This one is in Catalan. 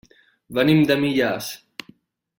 Venim de Millars.